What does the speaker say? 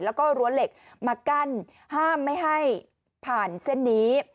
แล้วก็รั้วเหล็กมากั้นห้ามไม่ให้ผ่านเส้นนี้